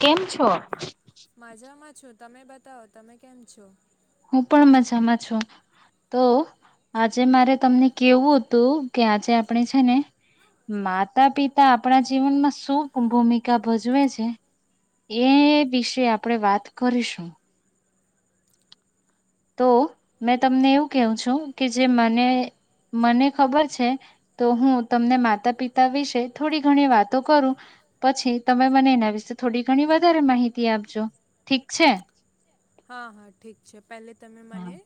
કેમ છો. મજામાં છું તમે બતાવો તમે કેમ છો. હું પણ મજામાં છું તો આજે મારે તમને કેવું હતું કે આજે આપણે છે ને માતા પિતા આપણા જીવનમાં શું ભૂમિકા ભજવે છે એ વિશે આપણે વાત કરીશું. તો મેં તમને એવું કહું છું કે જે મને મને ખબર છે તો હું તમને માતા પિતા વિશે થોડી ઘણી વાતો કરું પછી તમે મને એના વિશે થોડી ઘણી વધારે માહિતી આપજો ઠીક છે. હા હા ઠીક છે. પહેલે તમે મને.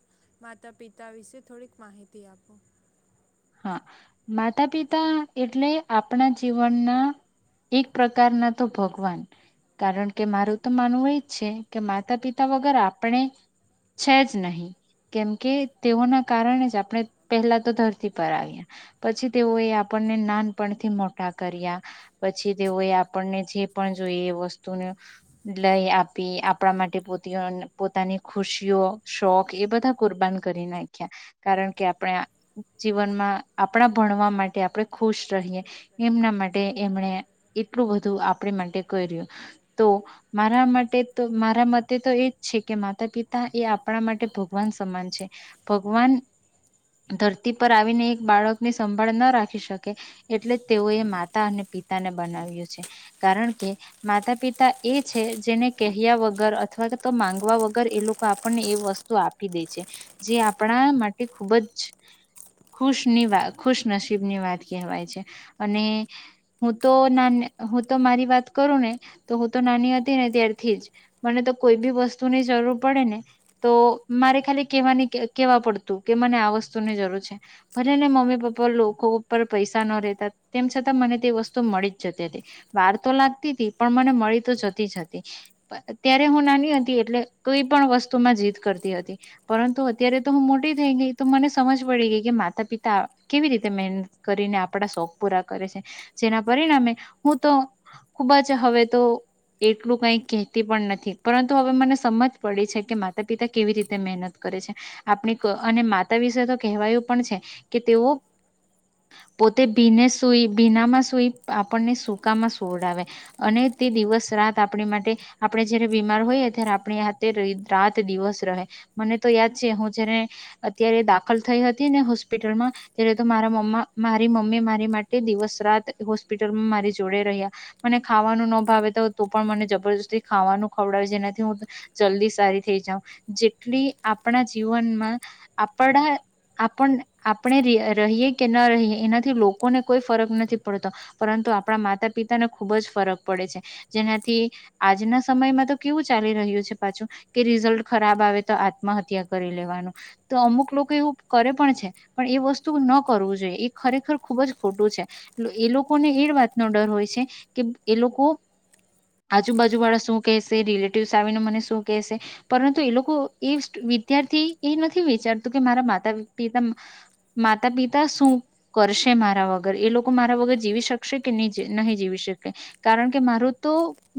માતા પિતા વિશે થોડીક માહિતી આપો. હા માતા પિતા એટલે આપણા જીવનના એક પ્રકારના તો ભગવાન કારણ કે મારું તો માનવું એજ છે કે માતા પિતા વગર આપણે છે જ નહીં. કેમકે તેઓના કારણે જ આપણે પહેલા તો ધરતી પર આવ્યા પછી તેઓએ આપણને નાનપણથી મોટા કર્યા પછી તેઓએ આપણને જે પણ જોઈ એ વસ્તુને લઈ આપી આપણા માટે પો પોતાની ખુશીઓ શોખ એ બધા કુરબાન કરી નાખ્યા કારણ કે આપણે જીવનમાં આપણા ભણવા માટે આપણે ખુશ રહીએ એમના માટે એમણે એટલું બધું આપ આપ માટે કર્યું તો મારા માટે તો મારા મતે તો એજ છે કે માતા પિતા એ આપણા માટે ભગવાન સમાન છે. ભગવાન ધર તી પર આવીને એક બાળક ની સંભાળ ન રાખી શકે એટલે તેઓએ માતા અને પિતાને બનાવ્યું છે. કારણ કે માતા પિતા એ છે જેને કહ્યા વગર અથવા તો માંગવા વગર એ લોકો આપણને એ વસ્તુ આપી દે છે જે આપણા માટે ખૂબ જ ખુશની વા ખુશનસીબની વાત કહેવાય છે અને હું તો ના હું તો મારી વાત કરું ને તો હું તો નાની હતી ને ત્યારથી જ મને તો કોઈ બી વસ્તુની જરૂર પડે ને તો મારે ખાલી કેવાની કેવા પડતું કે મને આ વસ્તુ તુ ની જરૂર છે ભલે ને મમ્મી પપ્પા લોકો ઉપર પૈસા ન રહેેતા તેમ છતાં મને તે વસ્તુ મળી જ જતી હતી વાર તો લાગતી હતી પણ મને મળી તો જતી જ હતી. અત્યારે હું નાની હતી એટલે કઈ પણ વસ્તુ માં જીદ કરતી હતી પરંતુ અત્યારે તો હું મોટી થઈ ગઈ તો મને સમજ પડી ગઈ કે માતા પિતા કેવી રીતે મહેનત કરીને આપણા શોખ પૂરા કરે છે, જેના પરિણામે હું તો ખુબ જ હવે તો એટલું કઈ કહેતી પણ નથી પરંતુ હવે મને સમજ પડી છે કે માતા પિતા કેવી રીતે મહેનત કરે છે. આપણી અને માતા વિસ કેહવાયું પણ છે કે તેઓ પોતે ભીને સુઈ ભીનામાં સુઈ આપણને સૂકામાં સુવડાવે અને તે દિવસ રાત આપણી માટે આપણે જયારે બીમાર હોઈ ત્યારે આપણી હ રાત દિવસ રહે મને તો યાદ છે હું જયારે અત્યારે દા ખલ થઈ હતી ને હોસ્પિટલમાં ત્યારે તો મારા મમ્મા મારી મમ્મી મારી માટે દિવસ રાત હોસ્પિટલમાં મારી જોડે રહ્યા, મને ખાવાનું ન ભાવે તો હો તો પણ મને જબરજસ્તી ખાવાનું ખવડાવે જેનાથી હું જલ્દી સારી થઈ જાઉં જેટલી આપણા જીવનમાં આપણા આપને આપણે રહીએ કે ન રહીએ એનાથી લોકોને કોઈ ફરક નથી પડતો પરંતુ આપણા માતા પિતાને ખુબ જ ફરક પડે છે. જેનાથી આજના સમયમાં તો કેવું ચાલી રહ્યું છે પાછું કે રિઝલ્ટ ખરાબ આવે તો આત્મહત્યા કરી લેવાનું તો અમુક લોકો એવું કરે પણ છે પણ એ વસ્તુ ન કરવું જોઈએ એ ખરેખર ખુબ જ ખોટું છે એ લોકોને એ વાતનો ડર હોય છે કે એ લોકો આજુબાજુ વાળા શું કેહેશે રિલેટિવસ આવીને મને શું કેહેશે પરંતુ એ લોકો એ વિદ્યાર્થી એ નથી વિચારતું કે મારા માત તા પિતમ માતા પિતા શું કરશે મારા વગર એ લોકો મારા વગર જીવી શકશે કે નહી નહી જીવી શકે. કારણ કે મારું તો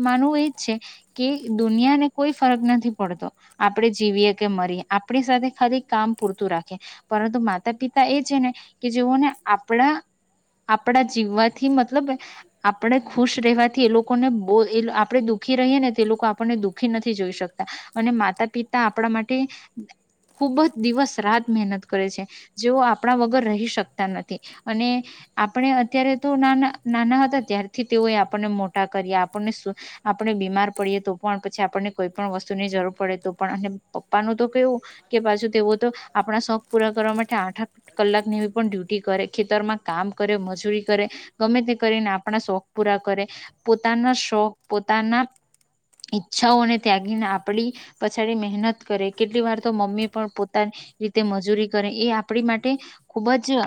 માનવું એજ છે કે દુનિયાને કોઈ ફરક નથી પડતો આપણે જીવીએ કે મરીએ આપણી સાથે ખાલી કામ પૂરતું રાખ ખે પરંતુ માતા પિતા એ છે ને કે જેઓને આપણા આપણા જીવવાથી મતલબ આપણે ખુશ રહેવાથી એ લોકોને બો આપણે દુખી રહીએ ને તે લોકો આપણને દુખી નથી જોઈ શકતા અને માતા પિતા આપણા માટે ખુબ જ દિવસ રાત મહેનત કરે છે. જેઓ આપણા વગર રહી શકતા નથી. અને આપણે અત્યારે તો નાના નાના હતા ત્યારથી તેઓ આપણને મોટા કરીએ આપણને આપણે બીમાર પડીએ તો પણ પછી આપણને કોઈ પણ વસ્તુની જરૂર પડે તો પણ અને પપ્પાનું તો કેવું કે પાછુ તેઓ તો આપણા શોખ પૂરા કરવા માટે આઠ આઠ કલાકની પણ ડ્યુટી કરે ખેતરમાં કામ કરે મજૂરી કરે ગમે તે કરીને આપણા શોખ પૂરા કરે. પોતાના શોખ પોતાના ઈચ્છાઓને ત્યાગીને આપડી પછાડી મહેનત કરે. કેટલી વાર તો મમ્મી પણ પોતાની રીતે મજૂરી કરે એ આપ આપડી માટે. ખુબ જ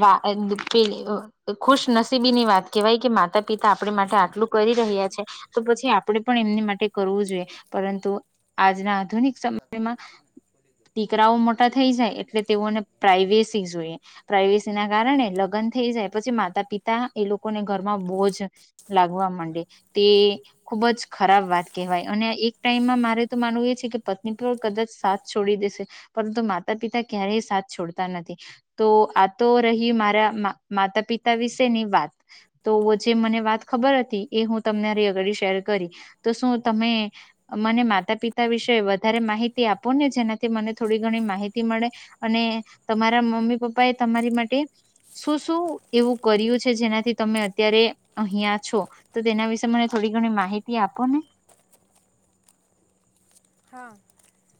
વા. [inaudible] ખુશનસીબી ની વાત કહેવાય કે માતા પિતા આપણી માટે આટલું. કરી રહ્યા લીજો છે તો પછી આપ. આપણે પણ એમની માટે કરવું જોઈએ પરંતુ આજના આધુનિક. સમયમાં. દીકરાઓ મોટા થઈ જાય એટલે તેઓને પ્રાાઈવેસી જોઈએ. પ્રાઇવેસી ના કારણે લગ્ન થઈ જાય પછી માતા પિતા. એ લોકોને ઘરમાં બોજ લાગવા માંડે તે ખુબ જ ખરાબ વાત કહેવાય અને એક ટાઈમમાં મારે તો માનવું એ છે કે પત્ની પણ કદાચ સાથ છોડી દેશે. પરંતુ માતા પિતા ક્યારેય સાથ છોડતા નથી તો આ તો રહી મારા માતા પિતા વિશેની વાત તો જે મને વાત ખબર હતી એ હું તમને અગડી શેર કરી તો શું તમે મને માતા પિતા વિશે વધારે માહિતી આપો ને જેના. મને થોડી ઘણી માહિતી મળે અને તમારા મમ્મી પપ્પા એ તમારી માટે શું શું એવું કર્યું છે જેનાથી તમે અત્યારે અહીિયાં છો તો તેના વિશે મને થોડી ઘણી માહિતી આપો ને. હા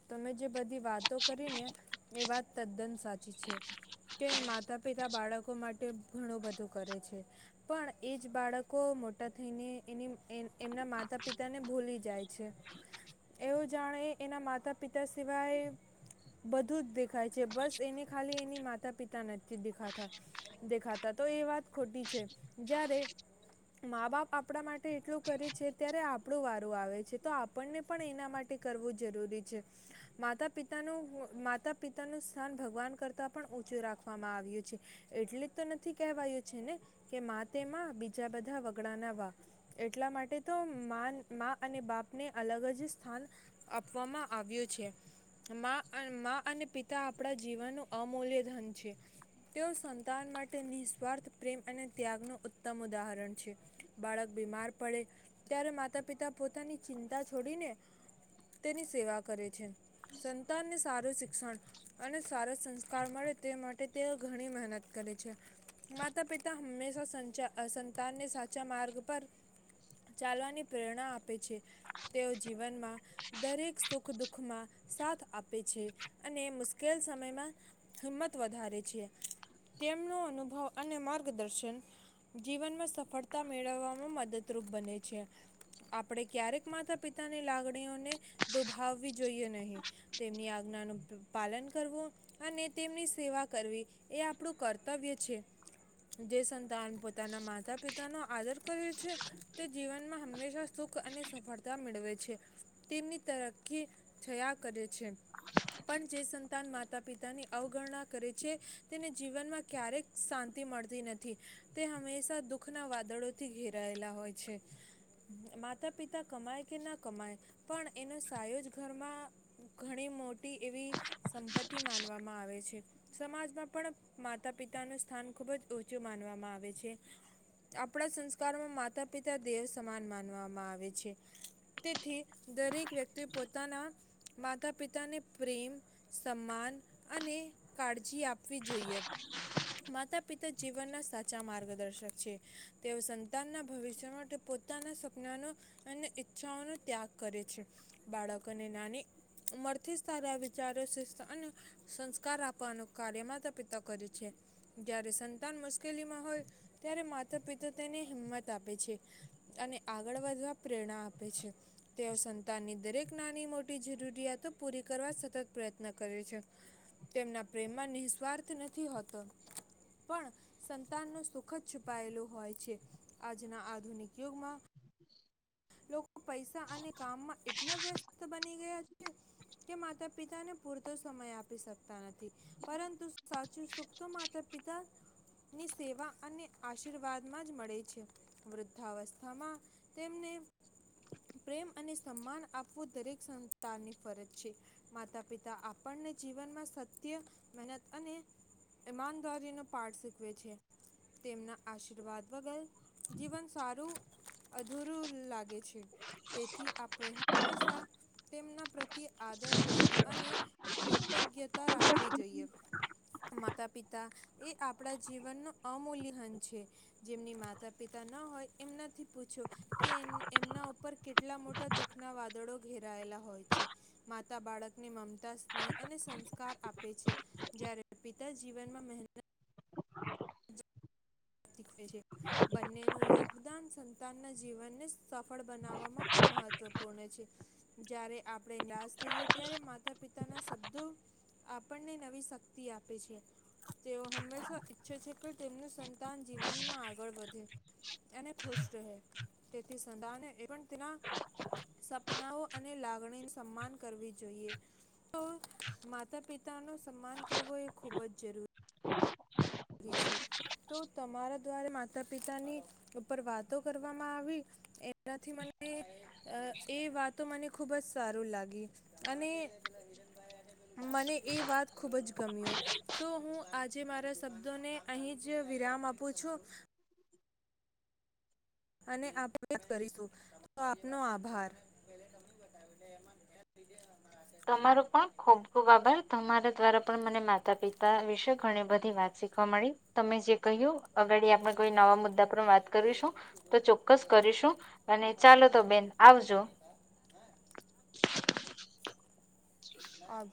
તમે જે બધી વાતો કરીને એ વાત તદ્દન સાચી છે કે માતા પિતા બાળક. માટે ઘણું બધું કરે છે પણ એ જ બાળકો મોટા થઈને એની એ. એમના માતા પિતા ને ભૂલી. જાય છે. એઓ જાણે એના માતા પિતા સિવાય બધું જ દેખાય છે બસ એને ખાલી એની માતા પિતા નથી દેખાતા દેખાતા તો એ વાત ખોટી છે જ્યારે મા બાપ આપણા માટે એટલું કરે છે ત્યારે આપણું વારું આવે છે તો આપણને પણ એના. માટે કરવું જરૂરી છે માતા પિતાનું માતા પિતાનું સ્થાન ભગવાન કરતા પણ ઉચું રાખવામાં આવ્યું છે એટલે જ તો નથી કેહેવાયું છે ને કે માં તે મા બીજા બધા વગડાના વા એટલા માટે તો અને બાપ ને અલગ જ. સ્થાન આપવામાં આવ્યું છે મા અને પિતા આપણા જીવનનું અમૂલ્ય ધન છે તેઓ સંતાન માટે નિસ્વાર્થ પ્રેમ અને ત્યાગનું ઉત્તમ ઉદાહરણ છે બાળક બીમાર પડે ત્યારે માતા પિતા પોતાની ચિંતા છોડીને. તેની સેવા કરે છે. સંતાન ને. સારું શિક્ષણ અને સારો સંસ્કાર મળે તે માટે તેઓ ઘણી મહેનત કરે છે માતા પિતા હંમેશા સં સંતાનને સાચા માર્ગ પર ચાલવાની પ્રેરણા આપે છે તેઓ. જીવનમાં દરેક સુખ દુઃખમાં સાથ આપે છે અને મુશ્કેલ સમયમાં હિંમત વધારે છે તેમનો અનુભવ અને માર્ગદર્શન જીવનમાં સફળતા મેળવવામાં મદદરૂપ બને છે આપણે ક્યારેક માત્ર. પિતાની લાગણીઓને દુભાવવી જોઈએ નહીિ તેમની આજ્ઞાનું પાલન કરવું અને તેમની સેવા કરવી એ આપણું કર્તવ્ય છે જે સંતાન પોતાના માતા પિતાનોો આદર કર્યો છે તે જીવનમાં હંમેશા સુખ અને સફળતા. મેળવે છે તેમની તરકી થયા કરે છે પણ જે સંતાન માતા પિતાની અવગણના કરે છે તેને જીવનમાં ક્યારેક શાંતિ મળતી નથી તે હંમેશા દુઃખના વાદળોથી ઘેરાયેલા હોય છે માતા પિતા. કમાય કે ના કમાય પણ એનો સાાયયોજ ઘરમાં ઘણી મોટી એવી સંપત્તિ માનવામાં આવે છે સમાજમાં પણ માતા પિતાનું સ્થાન ખૂબ જ ઓચું માનવામાં આવે છે આપણા સંસ્કારમાં માતા પિતા દેવ સમાન માનવામાં આવે છે. તેથી દરેક વ્યક્તિ પોતાના માતા પિતાને પ્રેમ સન્માન અને કાળજી આપ. આપવી જોઈએ માતા. પી જીવનના સાચા માર્ગદર્શક છે તેઓ સંતાનના ભવિષ્ય માટે પોતાના સપના નો અને ઈચ્છાઓનો ત્યાગ. કરે છે બાળક અને નાની ઉંમર થી સારા વિચારો અને સંસ્કાર આપવાનું કાર્ય માતા પિતા કરે છે જયારે સંતાન. મુશકેલીમાં હોય ત્યારે માતા પિતા તેને હિંમત આપે છે અને આગળ વધવા. પ્રેરણા આપે છે. તેઓ સંતાનની દરેક. નાની મોટી જરૂરિયાતો પૂરી કરવા સતત પ્રયત્ન કરે છે તેમના પ્રેમમાં નિસ્વાર્થ નથી હોતો પણ સંતાન ન સુખ જ છુપાયેલું હોય છે આજના આધુનિક યુગમાં. લોકો પૈસા અને કામમાં એટલા વ્યસ બની ગયા છે કે માતા પિતાને પૂરતો સમય આપી શકતા નથી પરંતુ સાચું સુખ તો માતા પિતા ની સેવા અને આશીર્વાદ માં જ મળે છે વૃદ્ધાવસ્થામાં. તેમને પ્રેમ અને સન્માન આપવું દરેક સંતાનની ફરજ છે. માતા પિતા આપણને જીવનમાં સત્ય, મહેનત અને ઈમાનદારીનો પાઠ શીખવે છે. તેમના આશીર્વાદ વગર જીવન સારું અધૂરું લાગે છે. તેથી આપણે હંમેશા તેમના પ્રત્યે આદર, પ્રેમ અને કૃતજ્ઞતા રાખવી જોઈએ. માતા પિતા એ આપણા જીવનનો અમૂલ્ય હન છે. જેમની માતા પિતા ન હોય એમનાથી પૂછો. કે એમના ઉપર કેટલા મોટા દુઃખના વાદળો ઘેરાયેલા હોય છે. માતા બાળકને મમતા સ્નેહ અને સંસ્કાર આપે છે. જ્યારે પિતા જીવનમાં મહેનત શીખવે છે. બંનેનું યોગદાન સંતાનના જીવનને સફળ બનાવવામાં ખૂબ મહત્વપૂર્ણ છે. જ્યારે આપણે નિરાશ થઈએ ત્યારે માતા પિતાના શબ્દો આપણને નવી શક્તિ આપે છે. તેઓ હંમેશા ઈચ્છે છે કે તેમનું સં સંતાન જીવનમાં આગળ વધે, અને ખુશ રહે. તેથી સંતાને પણ તેના સપનાઓ અને લાગણી સન્માન કરવી જોઈએ. તો માતા પિતાનું સન્માન કરવો એ ખૂબ જ જરૂર રી છે. તો તમારા દ્વારા માતા પિતાની ઉપર વાતો કરવામાં આવી એનાથી મને એ વાતો મને ખૂબ જ સારું લાગી. અને મને એ વાત ખૂબ જ ગમ્યો. તો હું આજે મારા શબ્દોને અહીં જ વિરામ આપું છું. અને આભાર વ્યક્ત કરીશું. તો આપનો આભાર. તમારો પણ ખુબ ખુબ આભાર, તમારા દ્વારા પણ મને માતા પિતા વિશે ઘણી બધી વાત શીખવા મળી. તમે જે કહ્યું અગાડી આપણે કોઈ નવા મુદ્દા પર વાત કરીશું. તો ચોક્કસ કરીશું, અને ચાલો તો બેન આવજો. આ